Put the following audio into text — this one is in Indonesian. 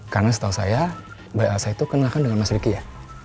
karena setahu saya mbak elsa itu kenalkan dengan mas riki ya